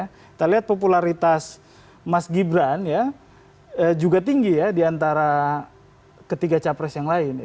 kita lihat popularitas mas gibran ya juga tinggi ya diantara ketiga capres yang lain